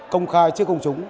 công khai trước công chúng